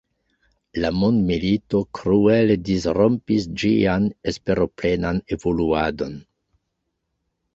La mondmilito kruele disrompis ĝian esperoplenan evoluadon.